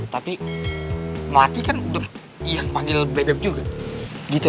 tapi melati kan iyan panggil bebeb juga gitu